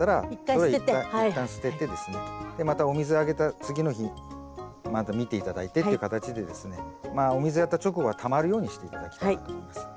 それは一旦捨ててですねまたお水あげた次の日また見て頂いてっていう形でですねお水やった直後はたまるようにして頂きたいと思います。